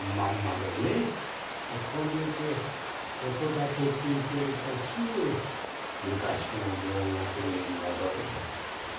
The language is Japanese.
ここにいて音だけ聞いてるとすぐ昔の両国に戻れる。